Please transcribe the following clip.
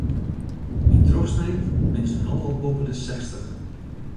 Yn trochsneed binne se no al boppe de sechstich.